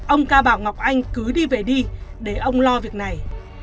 ông ca bảo ngọc anh cứ đi về đi để ông lo việc này